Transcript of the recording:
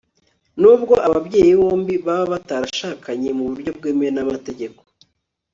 n'ubwo ababyeyi bombi baba batarashakanye mu buryo bwemewe n'amategeko